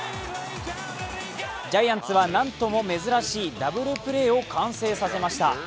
ジャイアンツは、なんとも珍しいダブルプレーを完成させました。